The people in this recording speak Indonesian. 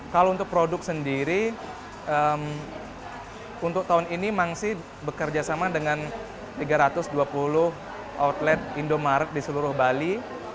kalau untuk produk sendiri untuk tahun ini mangsih bekerjasama dengan tiga ratus dua puluh outlet indomaret di seluruh bali